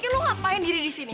lo ngapain diri disini